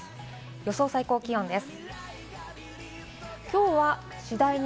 予想最高気温です。